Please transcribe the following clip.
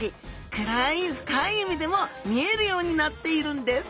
暗い深い海でも見えるようになっているんです